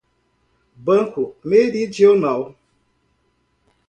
Banco Meridional